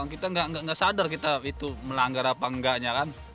kita nggak sadar kita itu melanggar apa enggaknya kan